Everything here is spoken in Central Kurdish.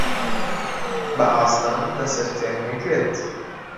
بە ئاستەم دەسرتێنمە گوێت: